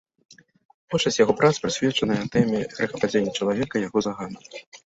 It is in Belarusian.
Большасць яго прац прысвечаная тэме грэхападзення чалавека, яго заганам.